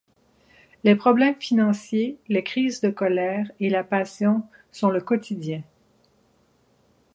Les problèmes financiers, les crises de colère et la passion sont le quotidien.